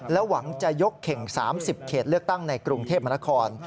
หวังจะยกเข่ง๓๐เขตเลือกตั้งในกรุงเทพมนาคม